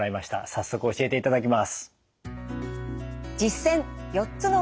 早速教えていただきます。